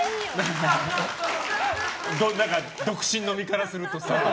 独身の身からするとさ。